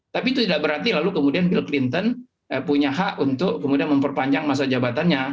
tapi itu tidak berarti lalu kemudian bill clinton punya hak untuk kemudian memperpanjang masa jabatannya